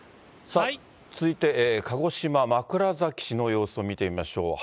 続いて鹿児島・枕崎市の様子を見てみましょう。